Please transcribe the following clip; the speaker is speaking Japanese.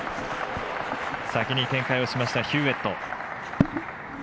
先に展開をしましたヒューウェット。